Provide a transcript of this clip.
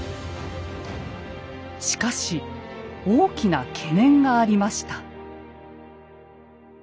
しかし大きな懸念がありました。